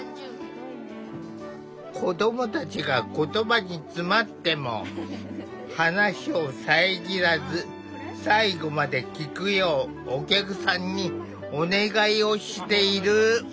子どもたちが言葉に詰まっても話を遮らず最後まで聞くようお客さんにお願いをしている。